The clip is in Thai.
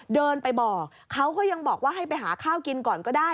เดินไปบอกเขาก็ยังบอกว่าให้ไปหาข้าวกินก่อนก็ได้